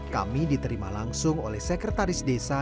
kami diterima langsung oleh sekretaris desa